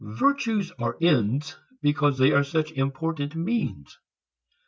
Virtues are ends because they are such important means.